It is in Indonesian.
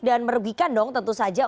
dan merugikan dong tentu saja